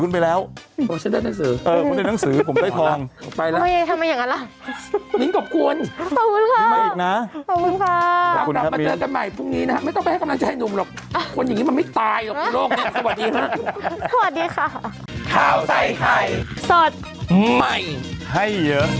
โปรดติดตามตอนต่อไป